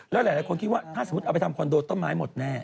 แล้วหลายคนคิดว่าถ้าสมมุติเอาไปทำคอนโดต้นไม้หมดแน่